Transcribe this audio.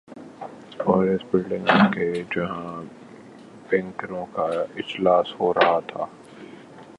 وہ اس بلڈنگ میں گئے جہاں بینکروں کا اجلاس ہو رہا تھا۔